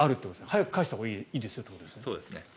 早く返したほうがいいということですね。